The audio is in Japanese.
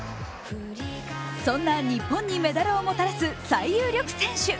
そんな日本にメダルをもたらす最有力選手。